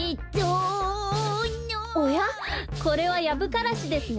おやこれはヤブカラシですね。